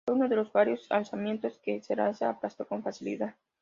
Fue uno de los varios alzamientos que Zelaya aplastó con facilidad.